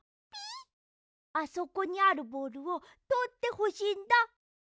ピイ？あそこにあるボールをとってほしいんだ！